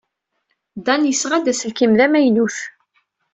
Dan yesɣa-d aselkim d amaynu.